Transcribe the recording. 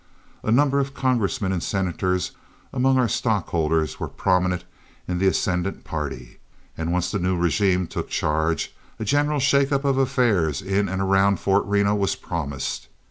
A number of congressmen and senators among our stockholders were prominent in the ascendant party, and once the new régime took charge, a general shake up of affairs in and around Fort Reno was promised.